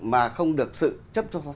mà không được sự chấp nhận